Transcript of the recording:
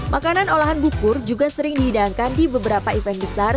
makanan olahan bukur juga sering dihidangkan di beberapa event besar